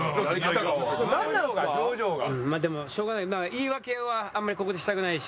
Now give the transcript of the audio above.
言い訳はあんまりここでしたくないし。